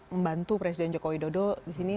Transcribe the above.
membantu presiden jokowi dodo disini